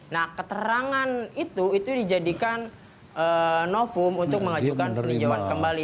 nah keterangan itu itu dijadikan novum untuk mengajukan peninjauan kembali